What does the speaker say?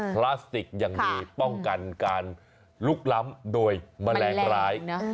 พลาสติกอย่างดีค่ะป้องกันการลุกล้ำโดยแมลงร้ายมันแรงดีนะ